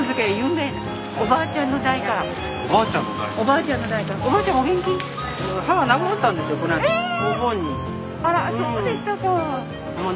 あらそうでしたか。